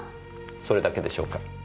それだけでしょうか？